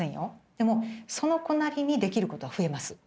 でもその子なりにできることは増えます。